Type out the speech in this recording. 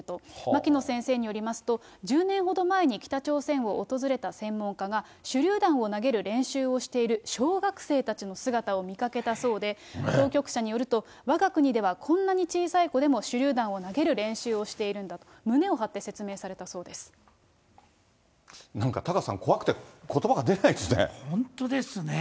牧野先生によりますと、１０年ほど前に北朝鮮を訪れた専門家が、手りゅう弾を投げる練習をしている小学生たちの姿を見かけたそうで、当局者によると、わが国では、こんなに小さい子でも、手りゅう弾を投げる練習をしてるんだと、なんかタカさん、怖くて、本当ですね。